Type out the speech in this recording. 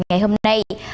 ngày hôm nay